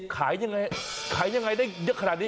ขายยังไงขายยังไงได้เยอะขนาดนี้